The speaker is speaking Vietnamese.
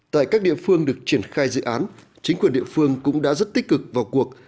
tại các địa phương được triển khai dự án chính quyền địa phương cũng đã rất tích cực vào cuộc